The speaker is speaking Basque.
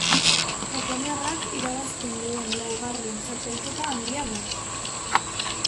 Japoniarrak irabazten duen laugarren txapelketa handia da.